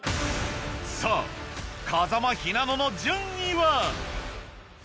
さぁ風間ひなのの順位は？